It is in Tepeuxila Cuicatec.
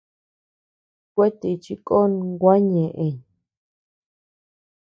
Kuetíchi kon gua ñeʼën.